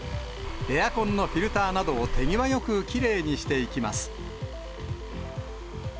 エアコンのフィルターなどを手際よくきれいにしていきます。